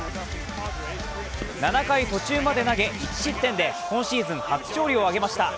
７回途中まで投げ、１失点で今シーズン初勝利を挙げました。